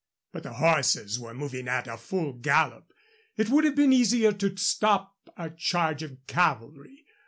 But the horses were moving at a full gallop. It would have been easier to stop a charge of cavalry.